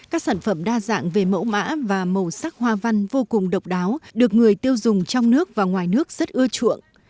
các sản phẩm đa dạng về mẫu mã và màu sắc hoa văn vô cùng độc đáo được người tiêu dùng trong nước và ngoài nước rất ưa chuộng